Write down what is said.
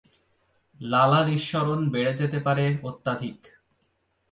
লালা নিঃসরণ বেড়ে যেতে পারে অত্যধিক।